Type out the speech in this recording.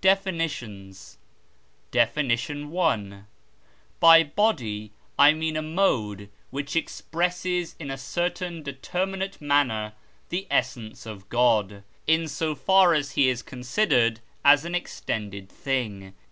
DEFINITIONS DEFINITION I. By body I mean a mode which expresses in a certain determinate manner the essence of God, in so far as he is considered as an extended thing.